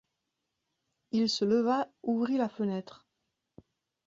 Il se leva, ouvrit la fenêtre.